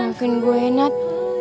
mungkin gue enak